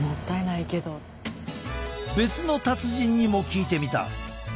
別の達人にも聞いてみた。